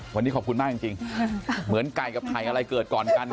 วันนี้ขอบคุณมากจริงเหมือนไก่กับไข่อะไรเกิดก่อนกัน